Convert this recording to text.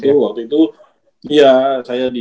tapi memang waktu itu kan fokus saya itu